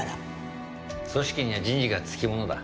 組織には人事がつきものだ。